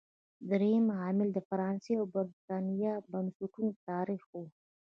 درېیم عامل د فرانسې او برېټانیا د بنسټونو تاریخ و.